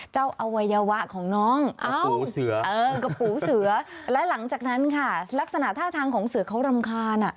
อวัยวะของน้องกับปูเสือและหลังจากนั้นค่ะลักษณะท่าทางของเสือเขารำคาญ